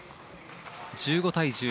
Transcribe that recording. １５対１５。